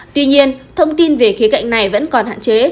tuy nhiên thông tin về khía cạnh này vẫn còn hạn chế